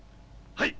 はい！